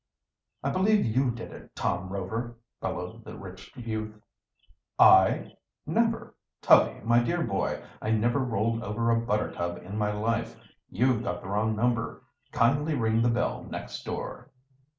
"I believe you did it, Tom Rover!" bellowed the rich youth. "I? Never, Tubby, my dear boy. I never rolled over a buttertub in my life. You've got the wrong number. Kindly ring the bell next door."